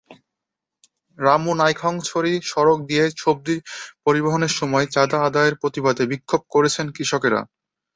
রামু-নাইক্ষ্যংছড়ি সড়ক দিয়ে সবজি পরিবহনের সময় চাঁদা আদায়ের প্রতিবাদে বিক্ষোভ করেছেন কৃষকেরা।